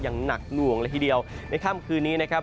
อย่างหนักหน่วงเลยทีเดียวในค่ำคืนนี้นะครับ